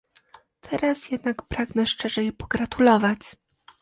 Teraz jednak pragnę szczerze jej pogratulować